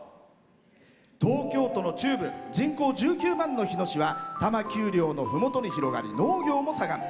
東京都の中部人口１９万の日野市は多摩丘陵のふもとに広がり農業も盛ん。